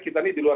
kita di luar